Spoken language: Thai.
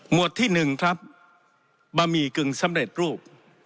วดที่๑ครับบะหมี่กึ่งสำเร็จรูป